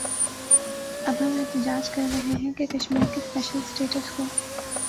اب ہم احتجاج کر رہے ہیں کہ کشمیر کے سپیشل سٹیٹس کو